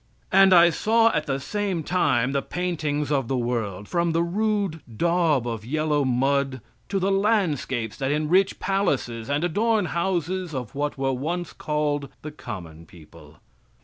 And I saw at the same time the paintings of the world, from the rude daub of yellow mud to the landscapes that enrich palaces and adorn houses of what were once called the common people.